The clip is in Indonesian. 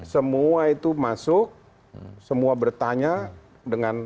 semua itu masuk semua bertanya dengan